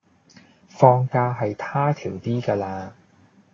放假係他條 D 架啦